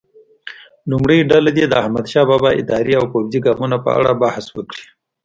لومړۍ ډله دې د احمدشاه بابا اداري او پوځي ګامونو په اړه بحث وکړي.